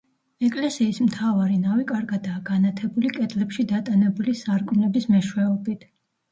ეკლესიის მთავარი ნავი კარგადაა განათებული კედლებში დატანებული სარკმლების მეშვეობით.